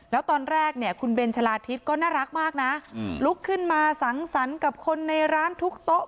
แล้วตอนแรกเนี่ยคุณเบนชะลาทิศก็น่ารักมากนะลุกขึ้นมาสังสรรค์กับคนในร้านทุกโต๊ะ